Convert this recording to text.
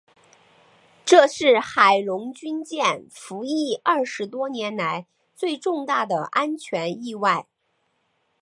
这是海龙军舰服役二十多年来最重大的安全意外。